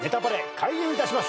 開演いたします。